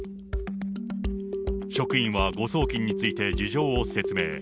職員は誤送金について事情を説明。